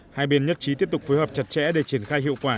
hai bên nhất trí tiếp tục phối hợp chặt chẽ để triển khai hiệu quả